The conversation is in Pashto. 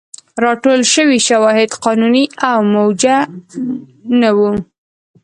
راټول شوي شواهد قانوني او موجه نه وو.